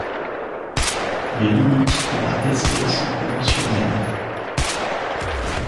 Les limites de la Hesbaye sont conventionnelles.